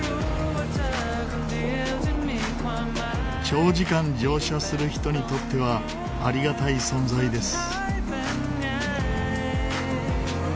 長時間乗車する人にとってはありがたい存在です。